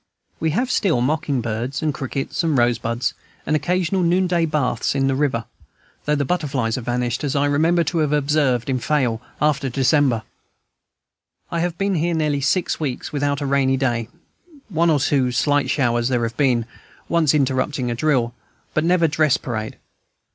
We have still mocking birds and crickets and rosebuds, and occasional noonday baths in the river, though the butterflies have vanished, as I remember to have observed in Fayal, after December. I have been here nearly six weeks without a rainy day; one or two slight showers there have been, once interrupting a drill, but never dress parade.